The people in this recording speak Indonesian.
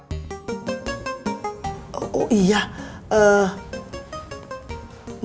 mama kamu itu kalau nungguin